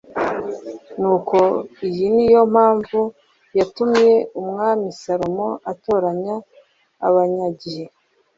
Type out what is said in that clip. Nuko iyi ni yo mpamvu yatumye Umwami Salomo atoranya abanyagihe